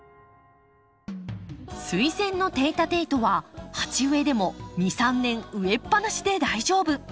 スイセンのテイタテイトは鉢植えでも２３年植えっぱなしで大丈夫！